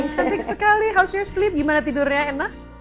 cantik sekali how's your sleep gimana tidurnya enak